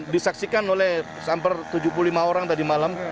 kemudian sampai tujuh puluh lima orang tadi malam